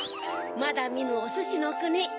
まだみぬおすしのくに！